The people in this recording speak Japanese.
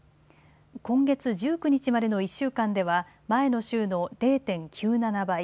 今月１９日までの１週間では前の週の０．９７倍。